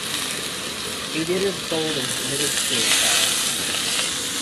He did as told and committed suicide.